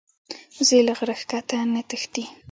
وزې له غره ښکته نه تښتي